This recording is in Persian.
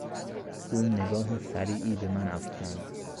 او نگاه سریعی بهمن افکند.